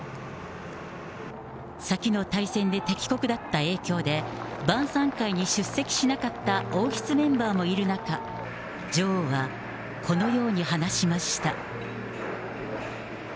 先の大戦で敵国だった影響で、晩さん会に出席しなかった王室メンバーもいる中、女王はこのように話しました。